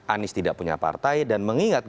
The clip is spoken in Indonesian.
anies tidak punya partai dan mengingat